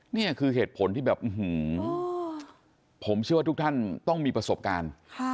นี่คือเหตุผลที่แบบผมเชื่อว่าทุกท่านต้องมีประสบการณ์